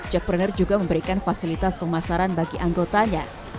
jackpreneur juga memberikan fasilitas pemasaran bagi anggotanya